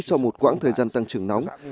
sau một quãng thời gian tăng trưởng nóng